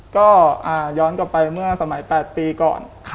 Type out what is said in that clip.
ก็ย้อนกลับไปเมื่อสมัย๘ปีก่อน